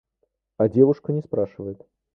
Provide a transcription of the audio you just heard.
А девушку не спрашивают.